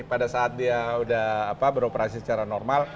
pada saat dia sudah beroperasi secara normal